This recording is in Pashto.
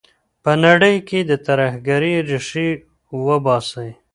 په نړۍ کي د ترهګرۍ ریښې وباسئ.